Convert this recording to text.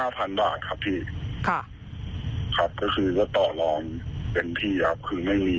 พันบาทครับพี่ค่ะครับก็คือก็ต่อลองเป็นที่ยับคือไม่มี